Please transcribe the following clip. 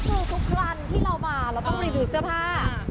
ก็คือทุกครั้งที่เรามาเราต้องรีบถือเสื้อผ้า